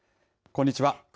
こんにちは。